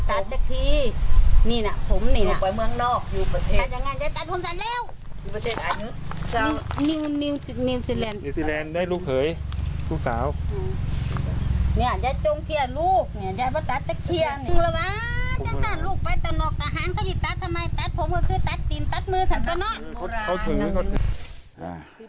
ทำไมตั๊ดผมก็คือตั๊ดดินตั๊ดมือสั่นตัวหน้า